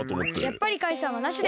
やっぱりカイさんはなしで。